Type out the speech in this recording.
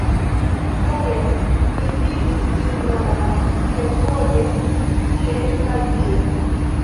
Ha jes, mi vidis tiun nomon kelkfoje tie kaj tie.